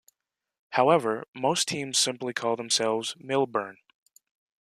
However, most teams simply call themselves Millburn.